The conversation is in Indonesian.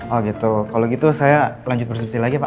oh gitu kalau gitu saya lanjut bersubsi lagi pak